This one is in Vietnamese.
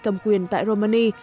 cầm quyền tại romani